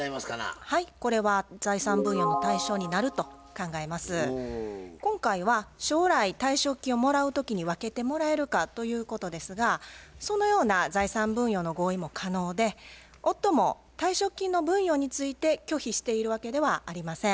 これは財産分与の今回は将来退職金をもらう時に分けてもらえるかということですがそのような財産分与の合意も可能で夫も退職金の分与について拒否しているわけではありません。